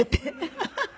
ハハハ。